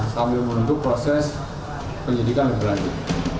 sambil menuntut proses penyidikan lebih lanjut